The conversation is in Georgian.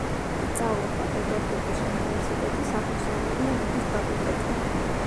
სწავლობდა პეტერბურგის უნივერსიტეტის აღმოსავლური ენების ფაკულტეტზე.